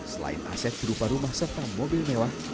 selain aset berupa rumah serta mobil mewah